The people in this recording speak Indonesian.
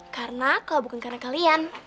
karena kalau bukan karena kalian